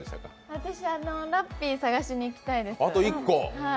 私、ラッピーを探しに行きたいです。